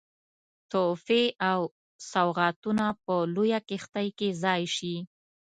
تحفې او سوغاتونه په لویه کښتۍ کې ځای سي.